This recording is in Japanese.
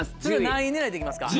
何位狙いで行きますか？